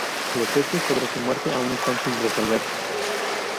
Los hechos sobre su muerte aún están sin resolver.